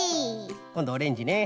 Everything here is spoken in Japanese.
こんどオレンジね。